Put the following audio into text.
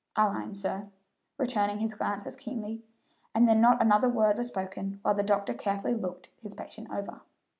"Allyn, sir," returning his glance as keenly, and then not another word was spoken, while the doctor carefully looked his patient over.